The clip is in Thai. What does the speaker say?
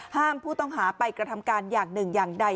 ห้ามผู้ต้องหาไปกระทำการอย่างหนึ่งอย่างใด